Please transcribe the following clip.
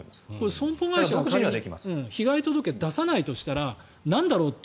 損保会社が被害届を出さないとしたらなんだろうって。